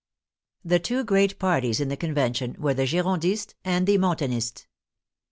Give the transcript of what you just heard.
The two great parties in the Convention were the Gi rondists and the Mountainists.